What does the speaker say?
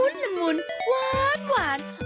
ละมุนว้าวหวาน